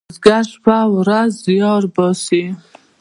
بزگر شپه او ورځ زیار باسي.